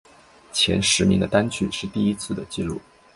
前十名的单曲是第一次的记录。